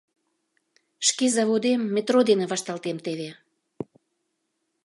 Шке заводем метро дене вашталтем теве...